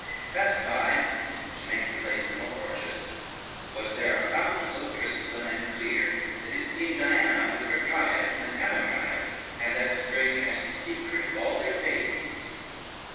Fast by, to make the place more gorgeous, was there a fount so crystalline and clear, that it seemed Diana with her Dryades and Hamadryades had that spring, as the secret of all their bathings.